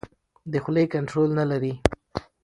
د خولې کنټرول نه لري.